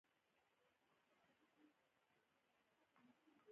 دا د ملي پروګرامونو او خصوصي سکتور له لارې کېده.